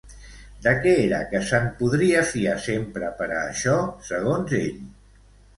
De què era que se'n podria fiar sempre per a això, segons ell?